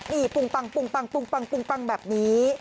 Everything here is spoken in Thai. นี่ปุ้งปังแบบนี้